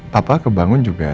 papa kebangun juga